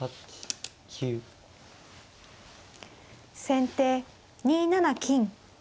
先手２七金。